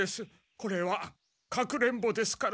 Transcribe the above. これはかくれんぼですから。